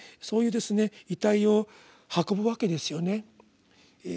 そういう遺体を運ぶわけですよね。